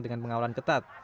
dengan pengawalan ketat